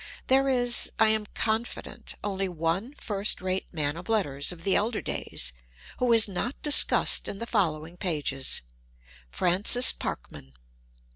There is, I am confident, only one first rate man of letters of the elder days who is not discussed in the following pages — Francis Park man.